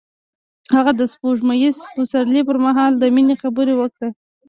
هغه د سپوږمیز پسرلی پر مهال د مینې خبرې وکړې.